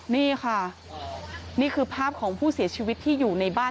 นี่ค่ะนี่คือภาพของผู้เสียชีวิตที่อยู่ในบ้าน